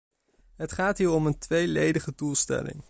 Het gaat hier om een tweeledige doelstelling.